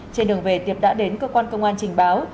trên đường về tiệp đã đến cơ quan công an trình báo